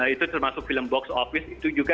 itu termasuk film box office itu juga